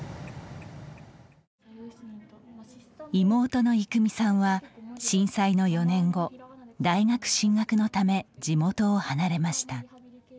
妹の育美さんは、震災の４年後大学進学のため地元を離れました。